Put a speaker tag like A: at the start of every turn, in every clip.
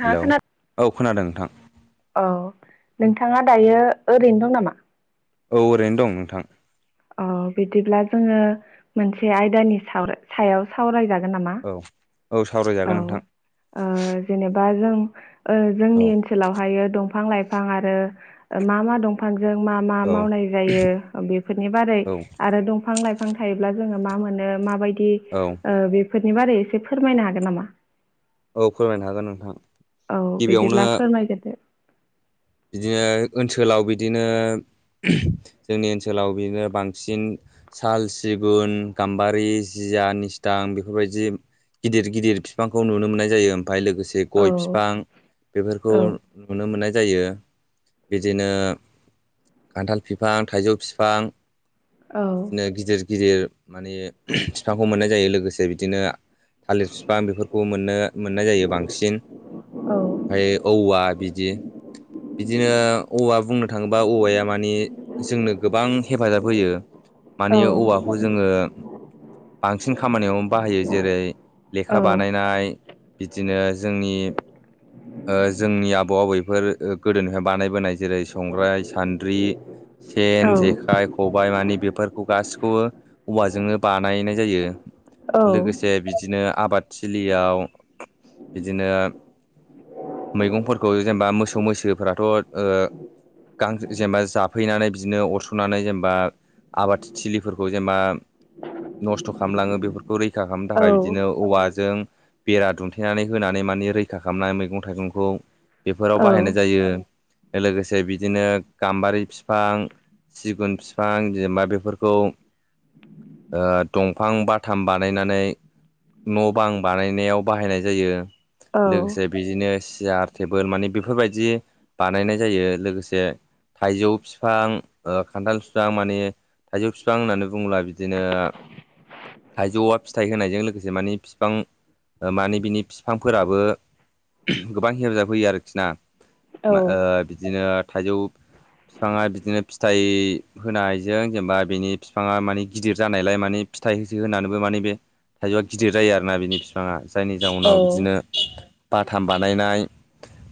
A: नोंथाङा
B: हेलौ
A: खोना
B: औ खोनादों नोंथां।
A: औ नोंथाङा दायो ओरैनो दं नामा?
B: औ ओरैनो दं नोंथां।
A: औ बिदिब्ला जोङो मोनसे आयदानि सायाव सावरायजागोन। गोन नामा।
B: औ औ
A: औ
B: सावरायजागोन नोंथां
A: जेनेबा जों
B: औ
A: जोंनि ओनसोलावहायो दंफां लाइफां आरो मा मा दंफां। जों मा मा
B: औ
A: मावनाय जायो बेफोरनि बारै
B: औ
A: आरो दंफां लाइफां थायोब्ला। जोंङो मा मोनो माबायदि
B: औ
A: ओ बेफोरनि बारै एसे फोरमायनो हागोन नामा?
B: औ फोरमायनो हागोन नोंथां।
A: औ
B: गिबियावनो
A: बिदिब्ला फोरमायगोरदो
B: बिदिनो ओनसोलाव बिदिनो ओम जोंनि ओनसोलाव बिदिनो बांसिन साल सिगुन गाम्बारि जि या निसथां बेफोरबायदि गिदिर गिदिर बिफांखौ नुनो मोन्नाय जायो। ओमफाय लोगोसे
A: औ
B: गय बिफां बेफोरखौ नुनो मोननाय जायो। बिदिनो खान्थाल फिफां थाइजौ फिफां
A: औ
B: दिनो गिदिर गिदिर माने ओम बिफांखौ मोननाय जायो लोगोसे बिदिनो थालिर बिफां बेफोरखौ मोननो मोननाय जायो बांसिन
A: औ
B: ओमफाय औवा बिदि बिदिनो औवा बुंनो थाङोबा औवाया माने जोंनो गोबां हेफाजाब होयो। माने
A: औ
B: औवाखौ जोङो बांसिन खामानियावनो बाहायो जेरै लेखा
A: औ
B: बानायनाय बिदिनो जोंनि ओ जोंनि आबौ आबैफोर ओ गोदोनिफ्राय बानायबोनाय जेरै संग्राय सान्द्रि
A: औ
B: सेन
A: नंगौ
B: जेखाइ खबाय मानि बेफोरखौ गासिखौबो औवाजोंनो बानायनाय जायो।
A: औ
B: लोगोसे बिदिनो आबाद थिलियाव बिदिनो मैगंफोरखौ जेनेबा मोसौ मैसोफोराथ' ओ गां जेनेबा जाफैनानै बिदिनो अरस'नानै जेनेबा आबाद थिलिफोरखौ जेनेबा नस्थ' खालामलाङो बेफोर खौ रैखा खालामनो
A: औ
B: थाखाय बिदिनो औवा जों बेरा दुम थेनानै होनानै माने रैखा खामनानै मैगं थाइगंखौ बेफोराव बाहायनाय जायो लोगोसे बिदिनो गाम्बारि बिफां सिगुन फिफां जेनेबा बेफोरखौ ओ दंफां बाथाम बानायनानै न' बां बानायनायाव बाहायनाय जायो। लोगोसे बिदिनो सियार टेबोल माने बेफोरबायदि दि बानायनाय जायो लोगोसे थाइजौ बिफां ओ खान्थाल बिफां माने थाइजौ बिफां होननानै बुंङोब्ला बिदिनो थाइजौआ फिथाइ होनायजों लोगोसे माने फिफां माने बिनि बिफांफोराबो गोबां हेफाजाब होयो आरोखि ना ओ
A: औ
B: बिदिनो थाइजौ बिफाङा बिदिनो फिथाइ होनायजों जेनेबा बिनि बिफाङा माने गिदिर जानायलाय माने फिथाइ होसो होनानैबो माने बे थाइजौआ गिदिर जायो आरोना बिनि बिफाङा जायनि जाउनाव बिदिनो बाथाम बानायनाय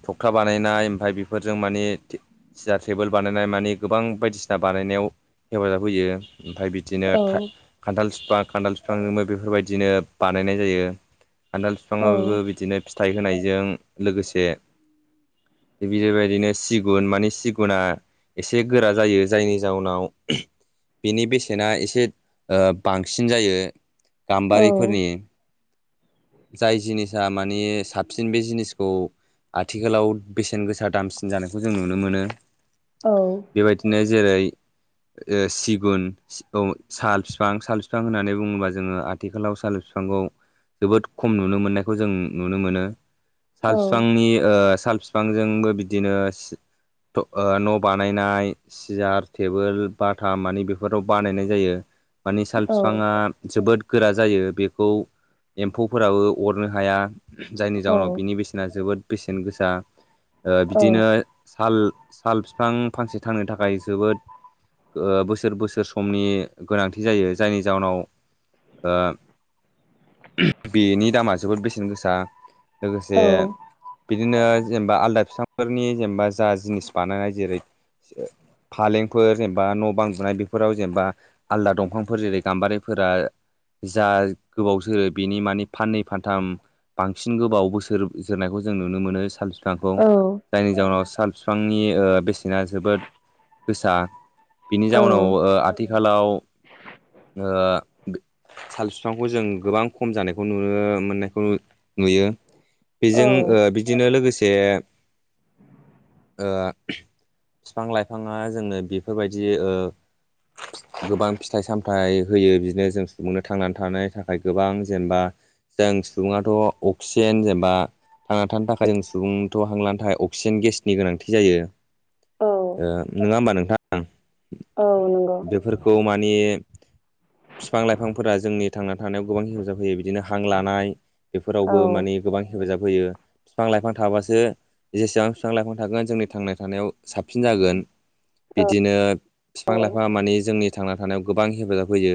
B: खुखा बानायनाय ओमफाय बेफोरजों माने सियार टेबोल बानायनाय मानि गोबां बायदिसिना बानायनायाव हेफाजाब होयो ओमफाय बि दिनो थाइ
A: औ
B: खान्थाल बिफां खान्थाल बिफांजोंबो बेफोरबायदिनो बानायनाय जायो। खान्थाल बिफांङाबो बिदिनो फिथाइ होनायजों लोगोसे बेबायदिनो सिगुन माने सिगुना एसे गोरा जायो जायनि जाउनाव बेनि बेसेना एसे ओ बांसिन जायो गाम्बारिफोरनि जाय जिनिसा माने साबसिन बे जिनिसखौ आथिखालाव बेसेन गोसा दामसिन जानायखौ जों नुनो मोनो बेबायदिनो जेरै
A: [inaudible]
B: ओ सिगुन औ साल फिफां साल फिफां होननानै बुङोबा जोंङो आथिखालाव साल फिफांखौ जोबोद खम नुनो मोननायखौ जों नुनो मोनो साल बिफांनि ओ साल बिफांजोंबो बिदिनो न' बानायनाय सियार टेबोल बाथा मानि बेफोराव बानायनाय जायो। माने साल बिफांङा जोबोद गोरा जायो बेखौ एम्फौफोराबो अरनो हाया। जायनि जाउनाव बिनि बेसेना जोबोद बेसेन गोसा बिदिनो साल साल बिफां फांसे थांनो थाखाय जोबोद बोसोर बोसोर समनि गोनांथि जायो जायनि जाउनाव बेनि दामा जोबोद बेसेन गोसा लोगोसे बिदिनो जेनेबा आलदा फिफांफोरनि जेनेबा जा जिनिस बानायनाय जेरै फालेंफोर जेनेबा न' बांदुनाय बेफोराव जेनेबा आलदा दंफांफोर जेरै गाम्बारिफोरा जा गोबावसोरो बिनि माने फाननै फानथाम बांसिन गोबाव बोसोर जोरनायखौ जों नुनो मोनो साल बिफांखौ जायनि जाउनाव साल बिफांनि बेसेना जोबोद गोसा बिनि जाउनाव आथि आथिखालाव साल बिफांखौ जों गोबां खम जानायखौ नुनो मोननायखौ नुयो बेजों बिदिनो लोगोसे बिफां लाइफांङा जोंनो बेफोरबायदि ओ गोबां फिथाइ सामथाइ होयो बिदिनो जों सुबुंनो थांनानै थानाय थाखाय गोबां जेनेबा जों सुबुङांथ' अक्सिजेन जेनेबा थांना थानो थाखाय जों सुबुंथ' हांलानो थाखाय अक्सिजेन गेसनि गोनांथि जायो। नङा होमबा नोंथां बेफोरखौ मानि बिफां लाइफांफोरा जोंनि थांना थानायाव गोबां हेफाजाब होयो बिदिनो हां लानाय बेफोरावबो माने गोबां हेफाजाब होयो बिफां लाइफां थाबासो जेसेबां बिफां लाइफां थागोन जोंनि थांना थानायाव साबसिन जागोन। बिदिनो बिफां लाइफां मानिे जोंनि थांना थानायाव गोबां हेफाजाब होयो।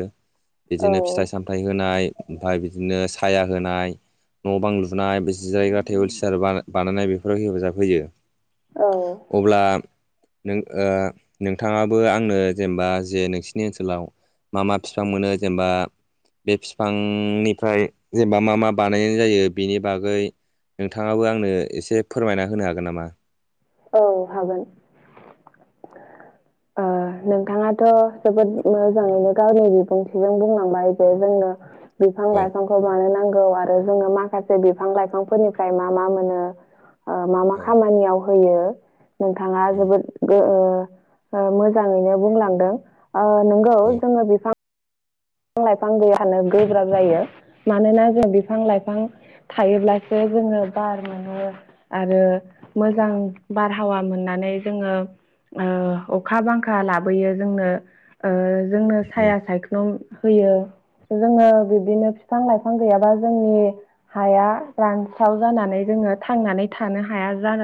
B: बिदिनो फिथाइ सामथाइ होनाय ओमफ्राय बिदिनो साया होनाय न' बां लुनाय बे जायगा टेबोल सियार बानायनाय बेफोराव हेफाजाब होयो अब्ला नों नोंथाङाबो आंनो जेनेबा जे नोंसिनि ओनसोलाव मा मा बिफां मोनो जेनेबा बे फिफांनिफ्राय जेनेबा मा मा बानायनाय जायो बेनि बागै नोंथाङाबो आंनो एसे फोरमायना होनो हागोन नामा?
A: औ हागोन। नोंथाङाथ' जोबोद मोजाङैनो गावनि बिबुंथिजों बुंलांबाय जे जोंनो बिफां
B: औ
A: लाइफांखौ बानो नांगौ आरो जोङो माखा बिफां लाइफांफोरनिफ्राय मा मा मोनो मा मा
B: औ
A: खामानियाव होयो। नोंथाङा
B: उम
A: जोबोद मोजाङैनो बुंलांदों। आ नोंगौ
B: औ उम
A: जोङो बिफां बिफां लाइफां गैयानो गोब्राब जायो मानोना जों बिफां लाइफां थायोब्लासो जोङो बार मोनो आरो मोजां बारहावा मोननानै जोङो अखा बांखा लाबोयो जोंनो जोंनो साया सायख्लुम होयो। जोङो बिब्दिनो बिफां लाइफां गैयाबा जोंनि हाया रानस्राव जानानै जों जोङो थांनानै थानो हाया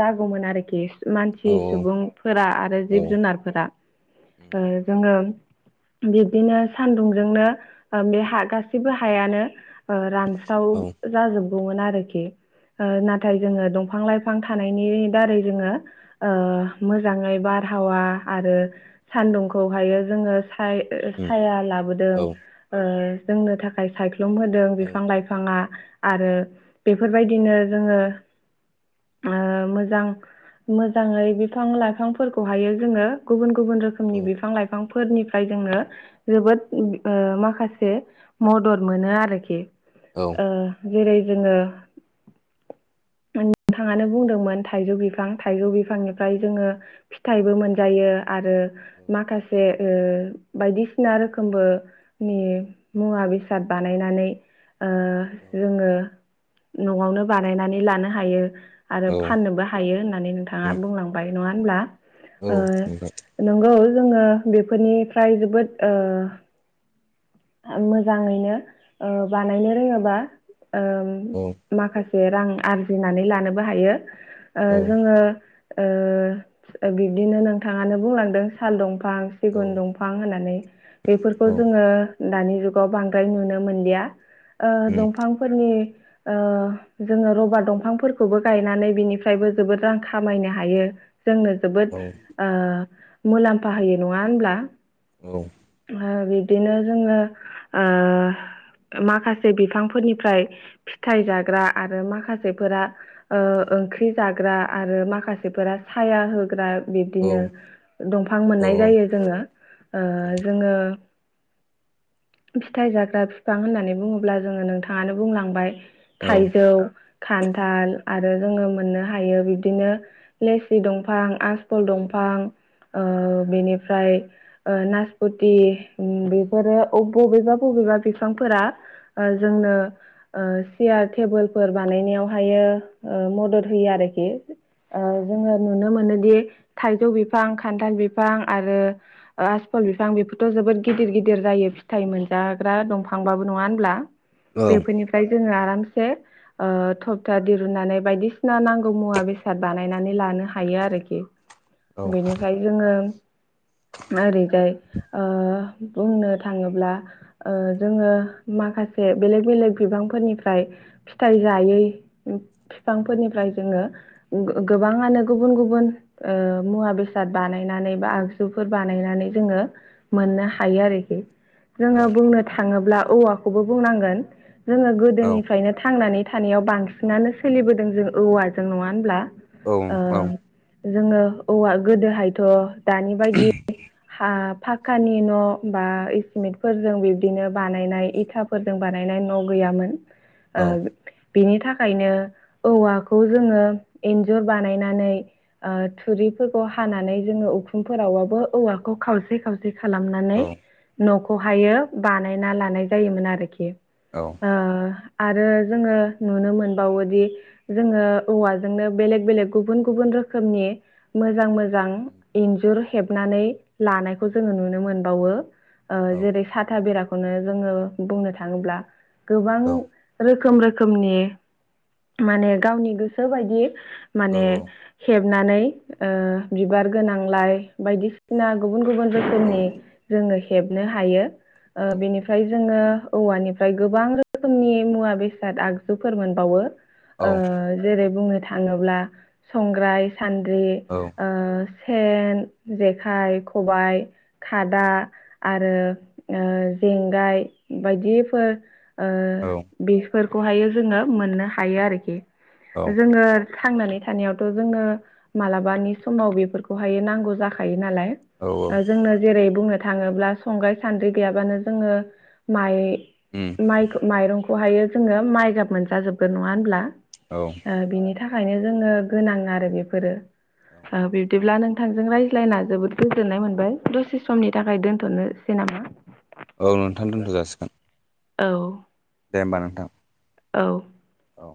A: जागौमोन आरोखि मानसि
B: औ
A: सुबुंफोरा आरो
B: औ
A: जिब जुनारफोरा जोङो बिब्दिनो सान्दुंजोंनो बे हा गासैबो हायानो रानस्राव
B: औ
A: जाजोबगौमोन आरोखि
B: उम
A: नाथाय जोङो दंफां लाइफां थानायनि दारै जोङो मोजाङै बारहावा आरो आरो सान्दुंखौहायो जोङो साय साया
B: औ
A: लाबोदों
B: उम
A: जोंनो थाखाय सायख्लुम होदों
B: औ
A: बिफां लाइफाङा आरो बेफोरबायदिनो जोङो मोजां मोजाङै बिफां लाइफांफोरखौहायो जोङो गुबुन गुबुन रोखोमनि बिफां लाइफांफोरनिफ्राय जोंनो जोबोद माखासे मदद मोनो आरोखि जेरै जोङो नोंथाङानो बुंदोंमोन थाइजौ बिफां थाइजौ बिफांनिफ्राय जोङो फिथाइबो मोनजायो आरो माखासे बायदिसिना बिसिना रोखोमबो मुवा बेसाद बानायनानै जोङो न'आवनो बानायनानै लानो हायो आरो फाननोबो हायो होननानै नोंथाङा
B: उम औ
A: बुंलांबाय नङा होनब्ला
B: औ उम औ नोंथां
A: नंगौ जोङो बेफोरनिफ्राय जोबोद मोजाङैनो बानायनो रोङोबा
B: औ
A: माखासे बे रां आरजिनानै लानोबो हायो जोङो बिब्दिनो नोंथाङानो बुंलांदों साल दंफां दफां सिगुन दंफां होनानै बेफोरखौ जोङो दानि जुगाव बांद्राय नुनो मोनलिया
B: औ उम औ औ
A: दंफांफोरनि जोङो रबार दंफांफोरखौबो गायनानै बिनिफ्रायबो जोबोद रां खामायनो हायो जोंनो जोबोद
B: औ
A: मुलाम्फा होयो नङा होनब्ला बिदिनो जोङो माखासे बिफांफोरनिफ्राय फिथाइ जाग्रा आरो माखासेफोरा ओंख्रि जाग्रा आरो माखासेफोरा साया होग्रा बिब्दिनो दंफां मोननाय
B: औ औ
A: जायो जोङो जोङो फिथाइ जाग्रा बिफां होननानै बुङोब्ला जोङो नोंथाङानो बुंलांबाय
B: उम
A: थाइजौ खान्थाल आरो
B: औ
A: जोङो मोननो हा यो बिदिनो लेसि दंफां आसखल‌
B: औ औ
A: दंफां ओ बिनि फ्राय नासपथि बे
B: उम
A: फोरो बबेबा बबेबा बिफांफोरा जोंनो चियार टेबोल फोर बानायनायावहायो मदद होयो आरो
B: औ
A: बेयो नुनो मोनोदि थाइजौ बिफां खान्थाल बिफां आरो आसफल बिफां बेफोरथ' जोबोद जोबोद गिदिर गि गेदेर जायो फिथाइ मोनजाग्रा दंफांबाबो नङा होनब्ला
B: औ
A: बेफोरनिफ्राय जोङो आ सो ओ थफथा दिरुननानै बायदिसिना नांगौ मुवा बेसाद बानायनानै लानो हायो आरोखि
B: औ
A: बेनिफ्राय जोङो ओरैजाय ओ बुंनो थाङोब्ला ओ जोङो माखासे बेलेग बेलेग बिफांफोरनिफ्राय फिथाइ जायै बिफांफोरनिफ्राय जोङो गोबाङानो गुबुन गुबुन ओ मुवा बेसाद बानायनानै बा आगजुफोर बानायनानै जोङो मोननो हा यो आरोखि
B: औ
A: जोङो बुंनो थाङोब्ला औवाखौबो बुंनांगोन जोङो
B: औ
A: गोदोनिफ्रायनो थांनानै थानायाव बांसिनानो सोलिबोदों जों औवाजों नङा होनब्ला।
B: औ
A: ओ
B: औ
A: जोङो औवा गोदोहायथ' दानि बायदि हा फाक्कानि न' बा सिमेटफोरजों बिबदिनो बानायनाय इथाफोरजों बानायनाय न' गैयामोन
B: औ
A: ओ बिनि थाखायनो औवाखौ जोङो एन्जुर बानायनानै ओ थुरि फोरखौ हानानै जोङो उखुमफोरावबाबो औवाखौ खावसे खावसे खालामनानै
B: औ
A: न'खौहायो बानायना लानाय जायोमोन आरोखि
B: औ
A: ओ आरो जोङो नुनो मोनबावोदि जोङो औवाजोंनो बेलेग बेलेग गुबुन गुबुन रोखोमनि मोजां मोजां
B: उम
A: इन्जुर हेबनानै लानायखौ जोङो नुनो मोनबावो। ओ जेरै साथाय बेराखौनो जोङो बुंनो थाङोब्ला गोबां रोखोम रो खोमनि गावनि गोसोबायदि माने हेब- नानै ओ बिबार गोनांलाय बायदिसिना गुबुन गुबुन रोखोमनि जोङो हेबनो हायो। ओ बेनिफ्राय जोङो औवानिफ्राय गोबां रोखोमनि मुवा बेसाद आगजुफोर मोनबावो ओ जेरै बुंनो थाङोब्ला संग्राय सान्द्रि ओ सेन जेखाइ खबाइ खादा आरो ओ जेंगाय बायदिफोर
B: औ
A: फोरखौहायो जोङो मोननो हायो आरोखि
B: औ
A: जोङो थांनानै थानायावथ' जोंनो मालाबानि समाव बेफोरखौहाय नांगौ जाखायो नालाय
B: औ
A: जोंनो जेरै बुंनो थाङोब्ला संग्राय सानद्रि गैयाब्लानो जोङो माइ माइरंखौ हायो जोङो माइगाब मोनजाजोबगोन नङा होनब्ला बिनि थाखायनो जोंनो गोनां आरो बेफोरो बिब्दिब्ला नोंथांजों रायज्लायना जोबोद गोजोननाय मोनबाय दसे समनि थाखाय दोनथ'नो सै नामा?
B: औ नोंथां दोनथ' जाासिगोन
A: औ। औ
B: औ